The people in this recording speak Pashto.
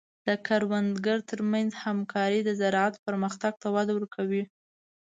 د کروندګرو تر منځ همکاري د زراعت پرمختګ ته وده ورکوي.